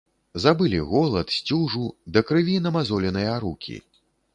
Забылі голад, сцюжу, да крыві намазоленыя рукі.